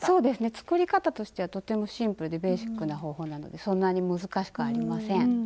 作り方としてはとてもシンプルでベーシックな方法なのでそんなに難しくありません。